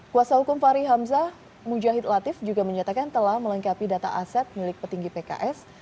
kuasa hukum fahri hamzah mujahid latif juga menyatakan telah melengkapi data aset milik petinggi pks